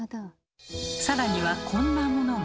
更にはこんなものも。